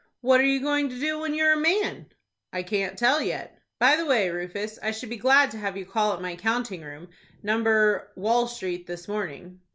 "What are you going to do when you are a man?" "I can't tell yet." "By the way, Rufus, I should be glad to have you call at my counting room, No. —— Wall Street, this morning."